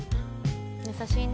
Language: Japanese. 優しいね。